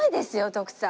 徳さん。